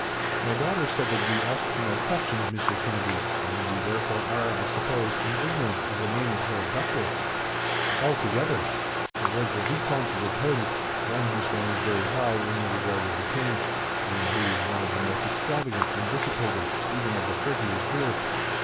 "My daughter said that you asked her no questions, Monsieur Kennedy, and you therefore are, I suppose, in ignorance of the name of her abductor?" "Altogether." "It was the Vicomte de Tulle, one who stands very high in the regard of the king, and who is one of the most extravagant and dissipated, even of the courtiers here.